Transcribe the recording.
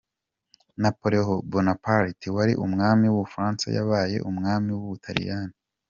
Napoléon Bonaparte wari umwami w’u Bufaransa yabaye umwami w’u Butaliyani.